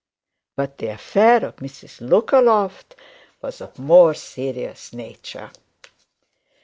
But the affair of Mrs Lookaloft was of a more serious nature.